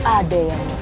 ada yang menang